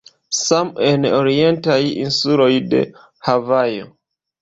Same en orientaj insuloj de Havajo.